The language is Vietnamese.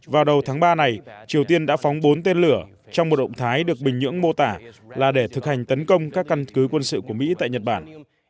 vào đầu tháng ba này triều tiên đã phóng bốn tên lửa trong một động thái được bình nhưỡng mô tả là để thực hành tấn công các căn cứ quân sự của mỹ tại nhật bản